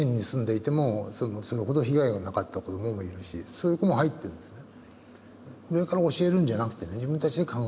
そういう子も入ってるんですね。